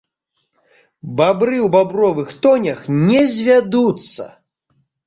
Бабры ў бабровых тонях не звядуцца!